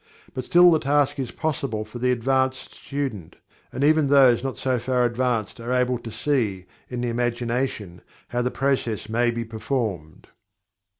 But still the task is possible for the advanced student, and even those not so far advanced are able to see, in the imagination, how the process may be performed.